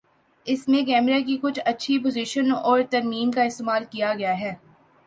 اس میں کیمرہ کی کچھ اچھی پوزیشن اور ترمیم کا استعمال کیا گیا ہے